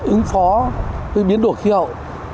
ứng phó với biến đổi khí hậu